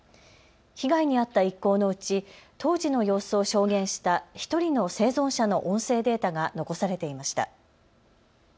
被害に遭った一行のうち当時の様子を証言した１人の生存者の音声データが残されていました。